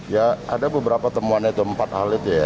ya ada beberapa temuan itu empat hal itu ya